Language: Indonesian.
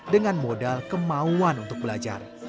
dengan modal kemauan untuk belajar